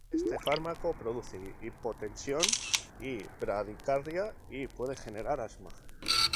Este fármaco produce hipotensión y bradicardia y puede generar asma.